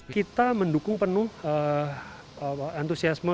kita mendukung penuh antusiasi